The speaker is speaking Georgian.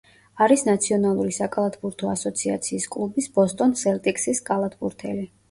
არის ნაციონალური საკალათბურთო ასოციაციის კლუბის ბოსტონ სელტიკსის კალათბურთელი.